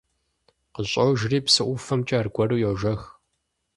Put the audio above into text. КъыщӀожри, псы ӀуфэмкӀэ аргуэру йожэх.